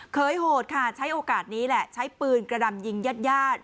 เคยโหดค่ะใช้โอกาสนี้แหละใช้ปืนกระดำยิงญาติญาติ